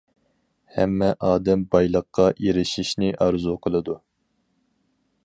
ھەممە ئادەم بايلىققا ئېرىشىشنى ئارزۇ قىلىدۇ.